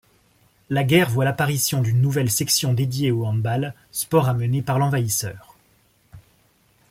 La guerre voit l'apparition d'une nouvelle section dédiée au handball, sport amené par l'envahisseur.